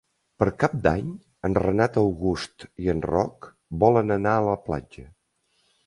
Per Cap d'Any en Renat August i en Roc volen anar a la platja.